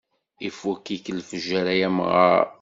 Ifut-ik lefjer ay amɣar.